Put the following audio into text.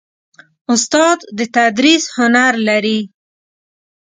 استاد د تدریس هنر لري.